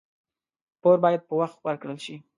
پور باید په وخت ورکړل شي.